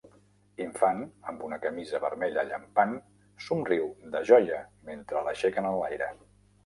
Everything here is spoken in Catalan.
Infant amb una camisa vermella llampant somriu de joia mentre l'aixequen enlaire.